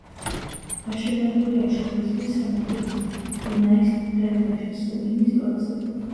გაშენებულია შავი ზღვის სანაპიროზე, დუნაის დელტაში, სულინის ტოტზე.